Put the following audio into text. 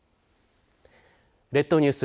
列島ニュース